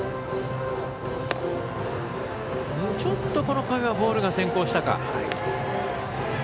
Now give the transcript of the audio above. ちょっとボールが先行したか。